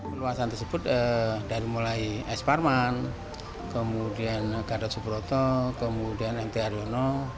peluasan tersebut dari mulai s parman kemudian gada subroto kemudian m t ariono